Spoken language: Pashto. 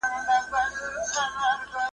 ډاکټر کرټېس د کرکې اهمیت تشریح کوي.